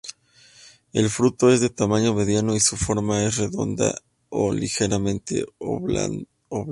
El fruto es de tamaño mediano y su forma es redonda o ligeramente oblonga.